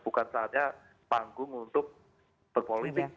bukan saatnya panggung untuk berpolitik